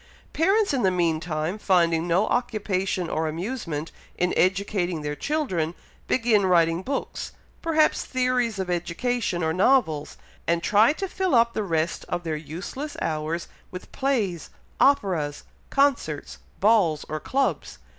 Parents in the meantime, finding no occupation or amusement in educating their children, begin writing books, perhaps theories of education, or novels; and try to fill up the rest of their useless hours with plays, operas, concerts, balls, or clubs.